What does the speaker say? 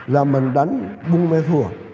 là mình đánh bung mê thuộc